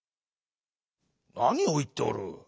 「なにをいっておる。